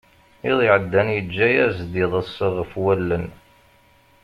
Iḍ iɛeddan yeǧǧa-as-d iḍes ɣef wallen.